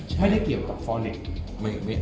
ถ้าได้เกี่ยวกับฟอเหล็ก